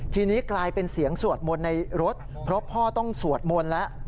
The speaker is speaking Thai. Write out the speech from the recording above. ทีนี้กลายเป็นเสียงสวดมนต์ในรถเพราะพ่อต้องสวดมนต์แล้ว